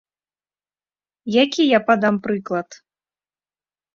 Які я падам прыклад?